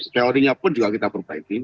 teorinya pun juga kita perbaikin